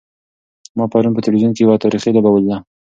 ما پرون په تلویزیون کې یوه تاریخي لوبه ولیده.